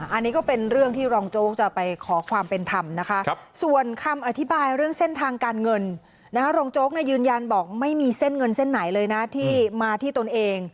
อันนี้ก็เป็นเรื่องที่รองโจ๊กจะไปขอความเป็นธรรมนะคะส่วนคำอธิบายเรื่องเส้นทางการเงินรองโจ๊กยืนยันบอกไม่มีเส้นเงินเส้นไหนเลยนะที่มาที่ตนเอง